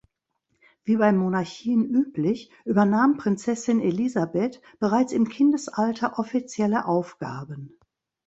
Wie bei Monarchien üblich, übernahm Prinzessin Elisabeth bereits im Kindesalter offizielle Aufgaben.